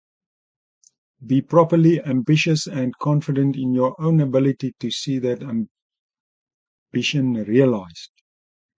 Be properly ambitious and confident in your own ability to see that ambition realised.